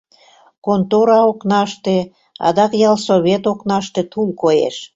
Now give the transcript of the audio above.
Контора окнаште, адак ялсовет окнаште тул коеш.